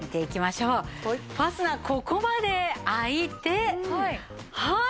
ファスナーここまで開いてはい！